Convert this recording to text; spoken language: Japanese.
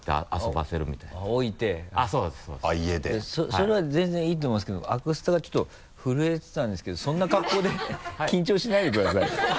それは全然いいと思うんですけどアクスタがちょっと震えてたんですけどそんな格好で緊張しないでください。